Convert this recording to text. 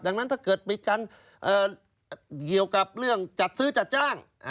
ดังนั้นถ้าเกิดมีการเกี่ยวกับเรื่องจัดซื้อจัดจ้าง